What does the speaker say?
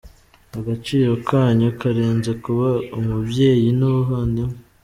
Agaciro kanyu karenze kuba umubyeyi n’ubuvandimwe.